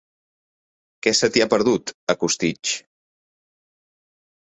Què se t'hi ha perdut, a Costitx?